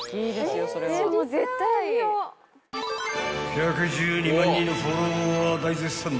［１１２万人のフォロワー大絶賛］